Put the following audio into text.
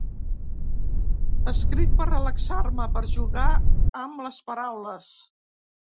Escric per relaxar-me, per jugar amb les paraules.